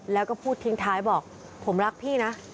แล้วก็พูดทิ้งท้ายบอกผมรักพี่นะ